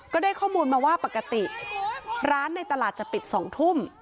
ก็ได้ข้อมูลมาว่าปกติร้านในตลาดจะปิด๒ทุ่ม